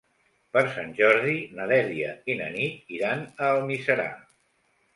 Per Sant Jordi na Dèlia i na Nit iran a Almiserà.